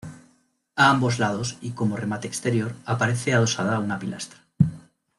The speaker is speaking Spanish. A ambos lados, y como remate exterior, aparece adosada una pilastra.